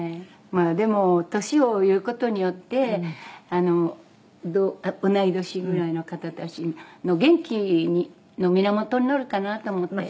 でも年を言う事によって同い年ぐらいの方たちの元気の源になるかなと思って。